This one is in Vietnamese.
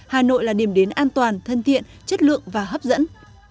hà nội là điểm đến an toàn thân thiện chất lượng và hấp dẫn